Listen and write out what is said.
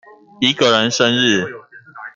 一個人生日